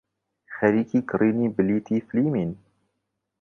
خەریکی کڕینی بلیتی فیلمین.